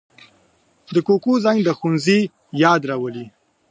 د کوکو زنګ د ښوونځي یاد راولي